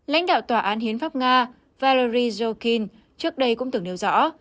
lãnh đạo tòa án hiến pháp nga valery jokin trước đây cũng từng nêu rõ